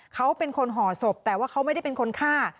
เขาเป็นคนห่อศพแต่ว่าเขาไม่ได้เป็นคนฆ่า